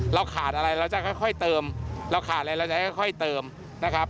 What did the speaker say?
เราขาดอะไรเราจะค่อยเติมเราขาดอะไรเราจะค่อยเติมนะครับ